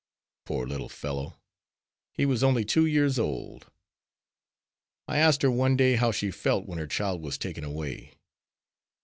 Poor little fellow! he was only two years old. I asked her one day how she felt when her child was taken away.